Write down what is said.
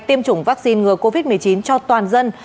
tiêm chủng vaccine ngừa covid một mươi chín cho toàn dân